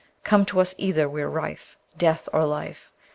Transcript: Come to us either, we're rife, Death or life!